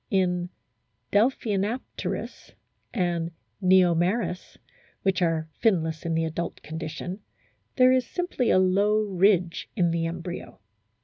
* In Delphinapterus and JVeomeris, which are finless in the adult condition, there is simply a low ridge in the embryo.